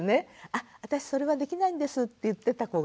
「あ私それはできないんです」って言ってた子がね